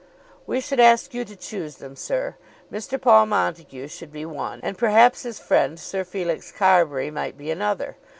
"We should ask you to choose them, sir. Mr. Paul Montague should be one, and perhaps his friend Sir Felix Carbury might be another.